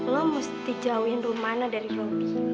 lo mesti jauhin rumana dari robi